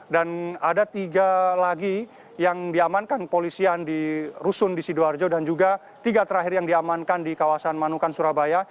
dan ada tiga lagi yang diamankan polisian di rusun di sidoarjo dan juga tiga terakhir yang diamankan di kawasan manukan surabaya